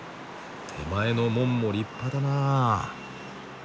手前の門も立派だなあ。